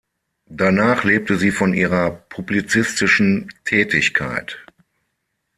Danach lebte sie von ihrer publizistischen Tätigkeit.